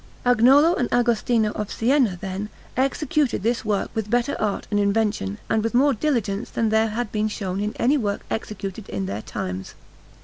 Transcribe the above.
Agnolo and Agostino of Siena, then, executed this work with better art and invention and with more diligence than there had been shown in any work executed in their times.